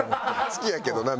好きやけどな。